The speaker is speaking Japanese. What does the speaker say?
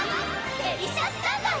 デリシャスタンバイ！